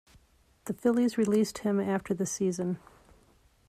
The Phillies released him after the season.